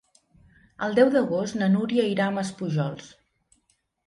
El deu d'agost na Núria irà a Maspujols.